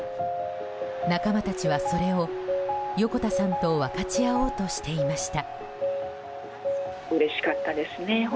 仲間たちは、それを横田さんと分かち合おうとしていました。